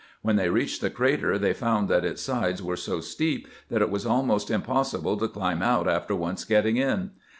When they reached the crater they found that its sides were so steep that it was almost impossible to climb out after once getting in.